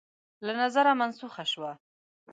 له نظره منسوخه شوه